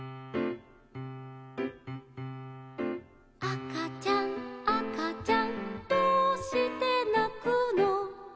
「あかちゃんあかちゃんどうしてなくの」